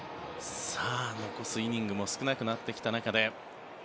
残すイニングも少なくなってきた中で。